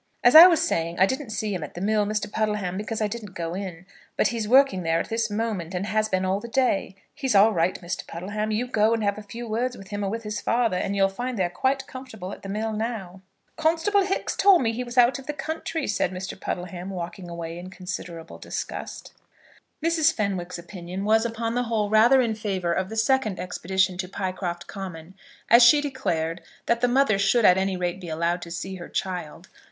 "As I was saying, I didn't see him at the mill, Mr. Puddleham, because I didn't go in; but he's working there at this moment, and has been all the day. He's all right, Mr. Puddleham. You go and have a few words with him, or with his father, and you'll find they're quite comfortable at the mill now." "Constable Hicks told me that he was out of the country," said Mr. Puddleham, walking away in considerable disgust. Mrs. Fenwick's opinion was, upon the whole, rather in favour of the second expedition to Pycroft Common, as she declared that the mother should at any rate be allowed to see her child.